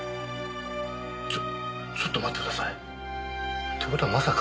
ちょちょっと待ってください。って事はまさか。